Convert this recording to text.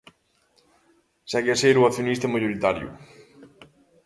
Segue a ser o accionista maioritario.